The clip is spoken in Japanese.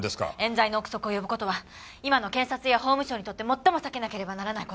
冤罪の臆測を呼ぶ事は今の検察や法務省にとって最も避けなければならない事で。